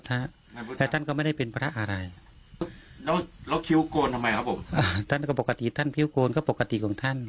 เราไม่ได้บอกว่ารบินพระเราไม่ได้เรียนแบบ